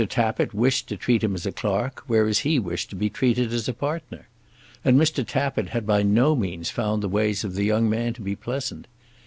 Tappitt wished to treat him as a clerk, whereas he wished to be treated as a partner. And Mr. Tappitt had by no means found the ways of the young man to be pleasant.